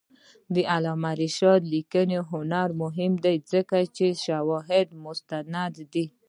د علامه رشاد لیکنی هنر مهم دی ځکه چې شواهد مستند دي.